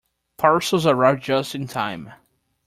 Parcels arrive just in time.